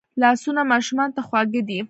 لاسونه ماشومانو ته خواږه دي